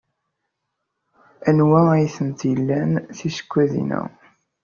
Anwa ay tent-ilan tsekkadin-a?